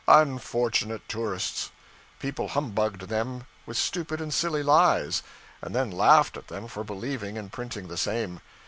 Unfortunate tourists! People humbugged them with stupid and silly lies, and then laughed at them for believing and printing the same.